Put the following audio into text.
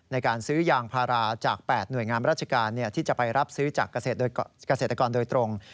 ในการซื้อยางพาราจาก๘หน่วยงามราชการที่จะไปรับซื้อจากเกษตรกรโดยตรง